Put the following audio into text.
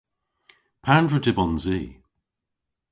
Pandr'a dybons i?